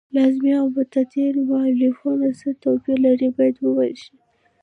لازمي او متعدي فعلونه څه توپیر لري باید وویل شي.